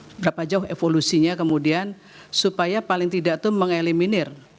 seberapa jauh evolusinya kemudian supaya paling tidak itu mengeliminir